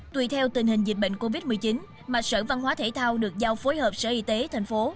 tùy theo tình hình dịch bệnh covid một mươi chín mạch sở văn hóa thể thao được giao phối hợp sở y tế thành phố